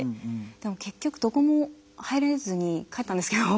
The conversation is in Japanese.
でも結局どこも入れずに帰ったんですけど。